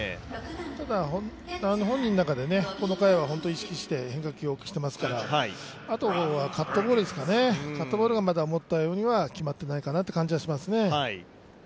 ただ、本人の中でこの回は意識して変化球を多くしていますから、あとはカットボールですかね、カットボールがまだ思ったようには決まっていないかなという感じがしますね。